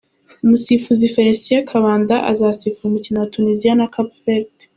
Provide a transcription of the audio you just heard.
Umusifuzi Felicien Kabanda azasifura umukino wa Tuniziya na Cap Vert.